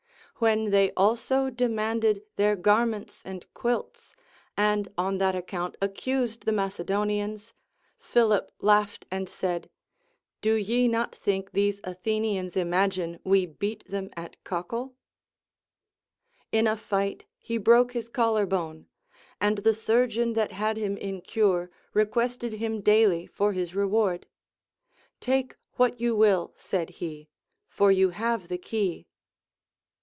When they also de manded their garments and quilts, and on that account accused the Macedonians, Philip laughed and said. Do ye not think these Athenians imagine we beat them at cockal ? In a fight he broke his collar bone, and the surgeon that had him in cure requested him daily for his reward. Take what you will, said he, for you have the key.